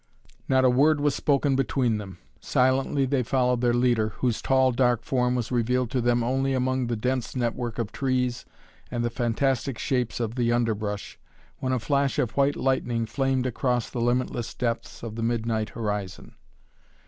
Not a word was spoken between them. Silently they followed their leader, whose tall, dark form was revealed to them only among the dense network of trees and the fantastic shapes of the underbrush, when a flash of white lightning flamed across the limitless depths of the midnight horizon.